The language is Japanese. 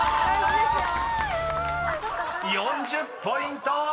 ［４０ポイント！］